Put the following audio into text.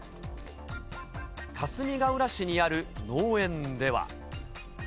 かすみがうら市にある農園では。